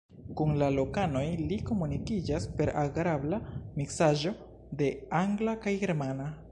Kun la lokanoj li komunikiĝas per agrabla miksaĵo de angla kaj germana.